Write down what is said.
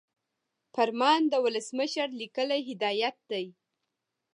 فرمان د ولسمشر لیکلی هدایت دی.